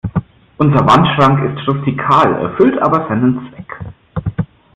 Unser Wandschrank ist rustikal, erfüllt aber seinen Zweck.